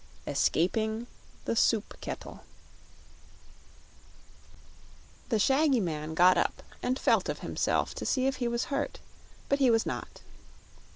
Escaping the Soup Kettle The shaggy man got up and felt of himself to see if he was hurt; but he was not.